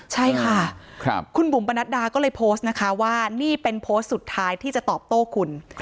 ใช่ค่ะคุณบุ๋มปนัดดาก็เลยโพสต์นะคะว่านี่เป็นโพสต์สุดท้ายที่จะตอบโต้คุณ